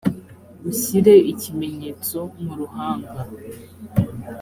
ushyire ikimenyetso mu ruhanga